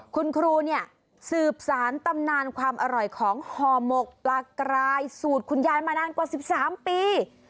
คุณครูเนี่ยสืบสารตำนานความอร่อยของห่อหมกปลากรายสูตรคุณยายมานานกว่า๑๓ปี